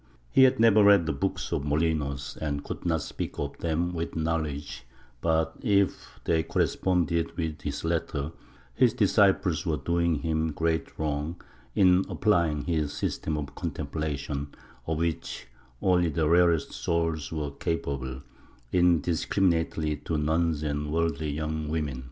He had never read the books of Molinos and could not speak of them with knowledge but, if they corresponded with his letter, his disciples were doing him great wrong in applying his system of contemplation, of which only the rarest souls were capable, indiscriminately to nuns and worldly young women.